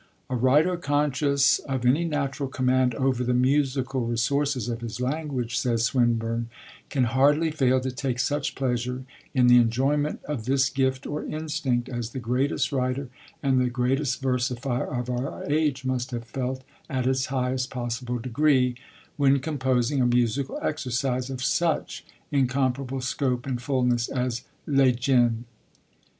'A writer conscious of any natural command over the musical resources of his language,' says Swinburne, 'can hardly fail to take such pleasure in the enjoyment of this gift or instinct as the greatest writer and the greatest versifier of our age must have felt at its highest possible degree when composing a musical exercise of such incomparable scope and fulness as Les Djinns.'